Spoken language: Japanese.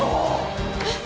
えっ！？